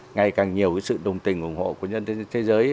ngay càng nhiều sự đồng tình ủng hộ của nhân dân thế giới